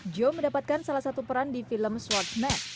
joe mendapatkan salah satu peran di film swordsman